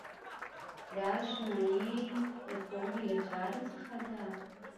دا آشنایۍ د پوهې له چارو څخه ده.